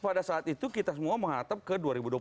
karena saat itu kita semua mengatap ke dua ribu dua puluh empat